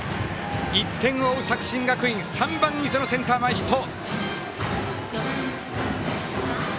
１点を追う作新学院、３番センター前ヒット。